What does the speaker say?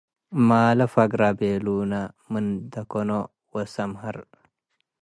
ማሌ ፈግረ ቤሉነ - ምን ደከኖ ወሰምሀር